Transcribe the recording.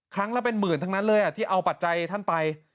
ครั้งละเป็นหมื่นทั้งนั้นเลยที่เอาปัจจัยท่านไป